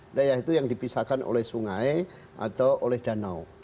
wilayah itu yang dipisahkan oleh sungai atau oleh danau